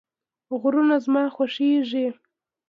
غرونه زما خوښیږي